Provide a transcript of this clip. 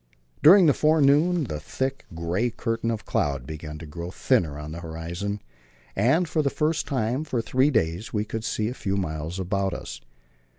During the forenoon the thick, grey curtain of cloud began to grow thinner on the horizon, and for the first time for three days we could see a few miles about us.